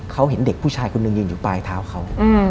เขาเห็นเด็กผู้ชายคนหนึ่งยืนอยู่ปลายเท้าเขา